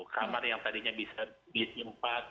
kamar yang tadinya bisa disi empat